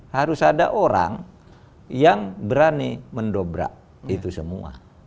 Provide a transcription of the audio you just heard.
harus ada orang yang berani mendobrak itu semua